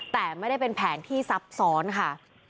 แต่ไม่ได้เป็นแผนที่ซับซ้อนค่ะ